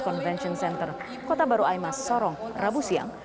convention center kota baru aimas sorong rabu siang